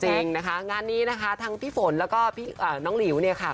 จริงนะคะงานนี้นะคะทั้งพี่ฝนแล้วก็พี่น้องหลิวเนี่ยค่ะ